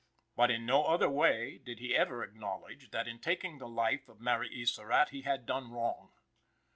But in no other way did he ever acknowledge that in taking the life of Mary E. Surratt he had done wrong.